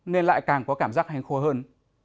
nên lại càng có cảm giác hành khô hơn